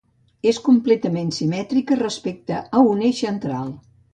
És completament simètrica respecte a un eix central.